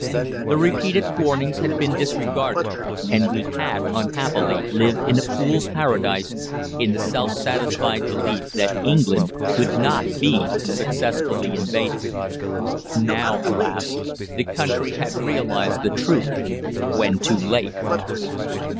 The repeated warnings had been disregarded, and we had, unhappily, lived in a fool's paradise, in the self satisfied belief that England could not be successfully invaded. Now, alas! the country had realised the truth when too late.